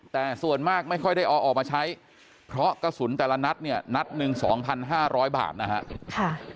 แต่ส่วนมากไม่ค่อยได้เอาออกมาใช้เพราะกระสุนแต่ละนัดเนี่ยนัดหนึ่ง๒๕๐๐บาทนะฮะ